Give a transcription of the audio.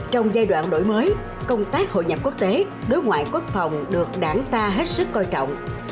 trong giai đoạn đổi mới công tác hội nhập quốc tế đối ngoại quốc phòng được đảng ta hết sức coi trọng